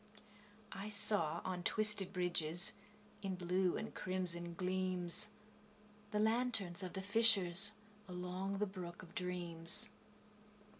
I saw, on twisted bridges, In blue and crimson gleams, The lanterns of the fishers, Along the brook of dreams.